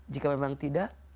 jika memang tidak